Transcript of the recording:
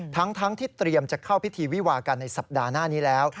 ทั้งที่เตรียมจะเข้าพิธีวิวากันในสัปดาห์หน้านี้แล้ว